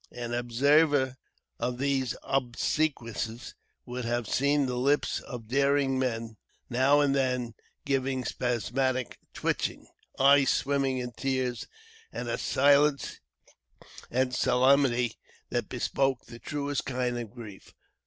An observer of these obsequies, would have seen the lips of daring men, now and then, giving spasmodic twitchings; eyes swimming in tears, and a silence and solemnity that bespoke the truest kind of grief.